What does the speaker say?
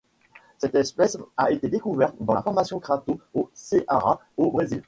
Cette espèce a été découverte dans la formation Crato au Ceará au Brésil.